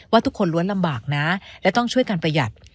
ทุกคนล้วนลำบากนะและต้องช่วยกันประหยัด